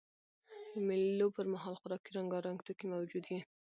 د مېلو پر مهال خوراکي رنګارنګ توکي موجود يي.